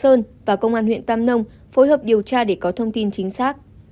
đồng thời nhà trường báo công an xã lam sơn và công an huyện tam nông phối hợp điều tra để có thông tin chính xác